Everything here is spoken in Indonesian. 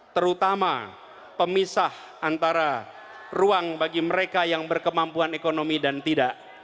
terutama pemisah antara ruang bagi mereka yang berkemampuan ekonomi dan tidak